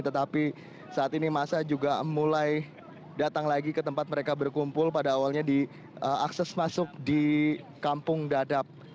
tetapi saat ini masa juga mulai datang lagi ke tempat mereka berkumpul pada awalnya di akses masuk di kampung dadap